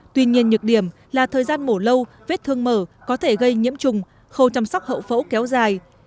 tuy nhiên nhược điểm là thời gian mổ lâu vết thương mở có thể gây nhiễm trùng khâu chăm sóc hậu phẫu kéo dài